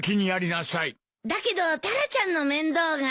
だけどタラちゃんの面倒が。